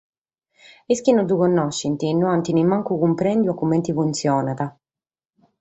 Is chi no ddu connoschent non ant nemmancu cumprèndidu comente funtzionat.